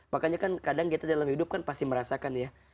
makanya kan kadang kita dalam hidup kan pasti merasakan ya